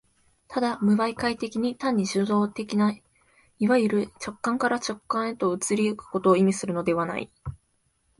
ただ無媒介的に、単に受働的ないわゆる直観から直観へと移り行くことを意味するのではない。